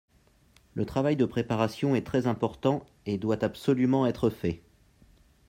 Le travail de préparation est très important et doit absolument être fait